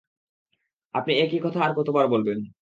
আপনি একই কথা আর কতবার বলবেন!